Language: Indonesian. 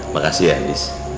makasih ya is